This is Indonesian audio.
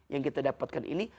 yang kita dapatkan ini